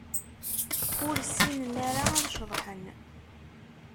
Ur ssinen ara ad ceḍḥen.